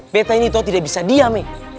beta ini toh tidak bisa diam eh